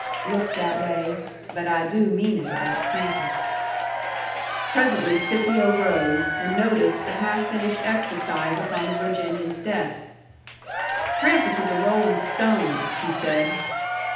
"Looks that way. But I do mean it about Trampas." Presently Scipio rose, and noticed the half finished exercise upon the Virginian's desk. "Trampas is a rolling stone," he said.